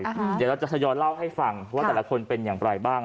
เดี๋ยวเราจะทยอยเล่าให้ฟังว่าแต่ละคนเป็นอย่างไรบ้าง